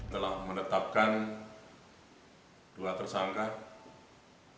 kedua tersangka tidak meristui hubungan tersebut dan meminta korban untuk mengakhirinya